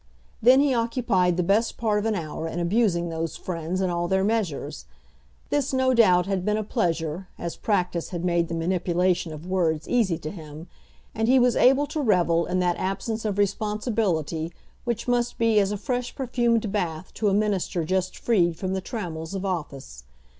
Then he occupied the best part of an hour in abusing those friends and all their measures. This no doubt had been a pleasure, as practice had made the manipulation of words easy to him, and he was able to revel in that absence of responsibility which must be as a fresh perfumed bath to a minister just freed from the trammels of office.